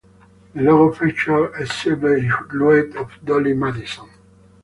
The logo featured a silhouette of Dolly Madison.